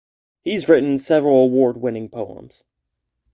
He's written several award-winning poems.